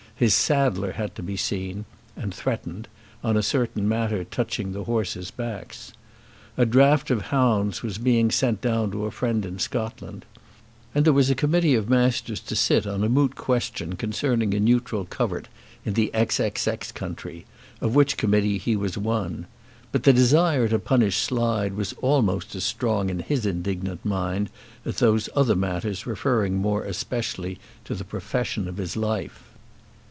His saddler had to be seen, and threatened, on a certain matter touching the horses' backs. A draught of hounds were being sent down to a friend in Scotland. And there was a Committee of Masters to sit on a moot question concerning a neutral covert in the XXX country, of which Committee he was one. But the desire to punish Slide was almost as strong in his indignant mind as those other matters referring more especially to the profession of his life.